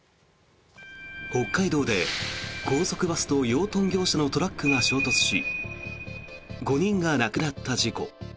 北海道で高速バスと養豚業者のトラックが衝突し５人が亡くなった事故。